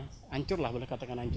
ya hancur lah boleh katakan hancur